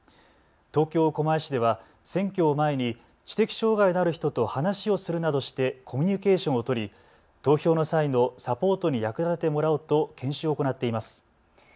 東京狛江市では選挙を前に知的障害のある人と話をするなどしてコミュニケーションを取り投票の際のサポートに役立ててもらおうと研修を行っています。